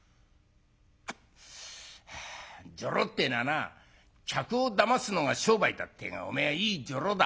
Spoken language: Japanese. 「女郎ってえのはな客をだますのが商売だってえがおめえはいい女郎だ。